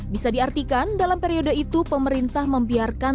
bisa diartikan dalam periode itu pemerintah membiarkan